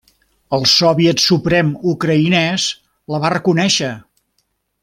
El Soviet Suprem ucraïnès la va reconèixer.